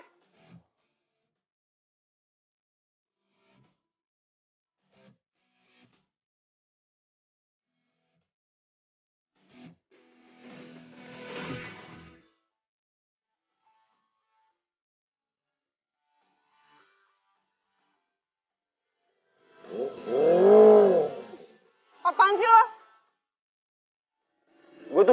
cepet banget sih kita